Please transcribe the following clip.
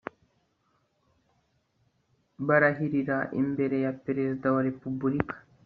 barahirira imbere ya Perezida wa Repubulika